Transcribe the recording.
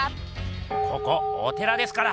ここお寺ですから！